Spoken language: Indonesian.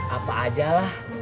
apa aja lah